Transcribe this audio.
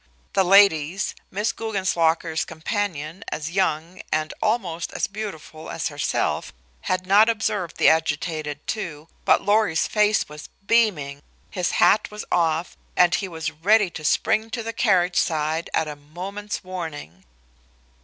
The ladies, Miss Guggenslocker's companion as young and almost as beautiful as herself had not observed the agitated two, but Lorry's face was beaming, his hat was off, and he was ready to spring to the carriage side at a moment's warning.